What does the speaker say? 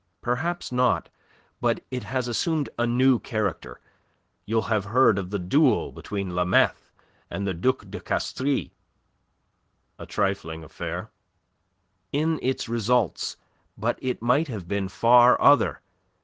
"Perhaps not; but it has assumed a new character. You'll have heard of the duel between Lameth and the Duc de Castries?" "A trifling affair." "In its results. But it might have been far other.